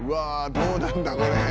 どうなるんだこれ？